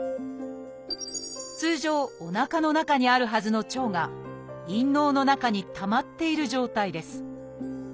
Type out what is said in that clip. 通常おなかの中にあるはずの腸が陰嚢の中にたまっている状態です。